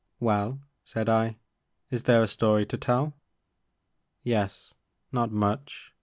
Well, said I, *Ms there a story to tell ?Yes, not much.